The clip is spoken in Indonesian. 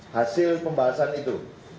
hasil pembahasan itu